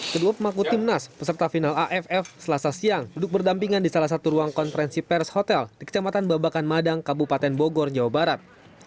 kedua pemaku timnas peserta final aff selasa siang duduk berdampingan di salah satu ruang konferensi pers hotel di kecamatan babakan madang kabupaten bogor jawa barat